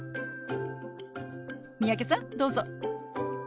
三宅さんどうぞ。